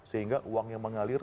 sehingga uang yang mengalir